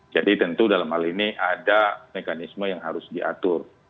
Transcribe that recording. jadi tentu dalam hal ini ada mekanisme yang harus diatur